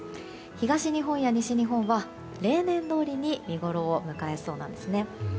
東日本や西日本は例年どおりに見ごろを迎えそうなんですね。